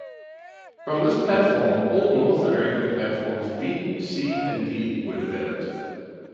From this platform, all North American platforms B, C, and D were developed.